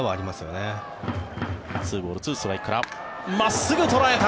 ２ボール２ストライクから真っすぐ、捉えた。